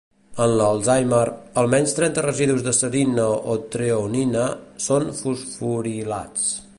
En l'Alzheimer, almenys trenta residus de serina o treonina són fosforilats.